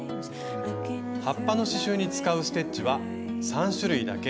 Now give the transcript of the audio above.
葉っぱの刺しゅうに使うステッチは３種類だけ。